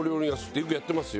よくやってますよ。